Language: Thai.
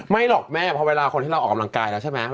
หรอกแม่เพราะเวลาคนที่เราออกกำลังกายแล้วใช่ไหม